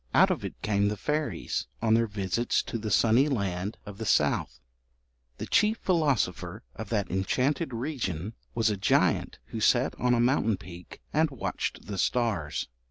Out of it came the fairies, on their visits to the sunny land of the south. The chief philosopher of that enchanted region was a giant who sat on a mountain peak and watched the stars.